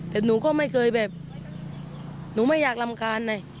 แต่หนูก็ไม่เคยแบบหนูไม่อยากรำคาญไง